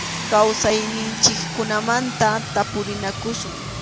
Kawsayninchikkunamanta tapurinakusun.